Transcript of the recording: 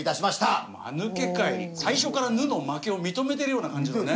最初から「ぬ」の負けを認めてるような感じのね。